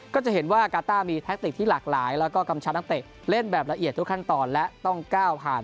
ก็จะเห็นว่ากาต้ามีแท็กติกที่หลากหลายแล้วก็กำชับนักเตะเล่นแบบละเอียดทุกขั้นตอนและต้องก้าวผ่าน